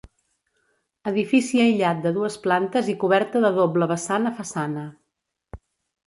Edifici aïllat de dues plantes i coberta de doble vessant a façana.